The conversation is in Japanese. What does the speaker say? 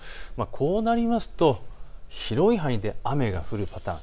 こうなりますと広い範囲で雨が降るパターン。